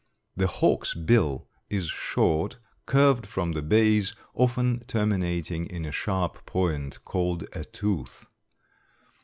The hawk's bill is short, curved from the base, often terminating in a sharp point called a tooth.